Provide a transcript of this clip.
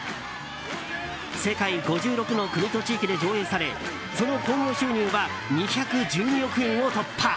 世界５６の国と地域で上映されその興行収入は２１２億円を突破。